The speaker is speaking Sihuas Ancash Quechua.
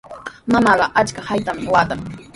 Mamaaqa achka haatami waatan.